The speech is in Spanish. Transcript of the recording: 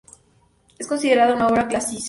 Es considerada una obra "clásica".